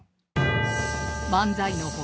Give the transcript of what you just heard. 漫才の他